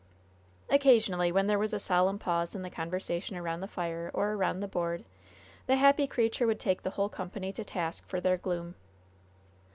Occasionally, when there was a solemn pause in the conversation around the fire or around the board, the happy creature would take the whole company to task for their gloom.